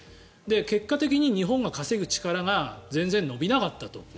結果的に日本が稼ぐ力が全然伸びなかったと。